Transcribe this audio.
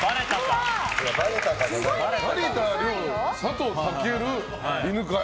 成田凌佐藤健、犬飼。